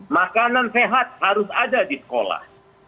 makanan sehat harus ada di sekolah